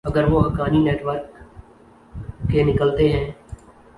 اگر وہ Haqqani network کے نکلتے ہیں۔